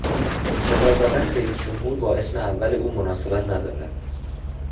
صدا زدن رییس جمهور با اسم اول او مناسبت ندارد.